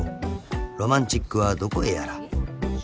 ［ロマンチックはどこへやら］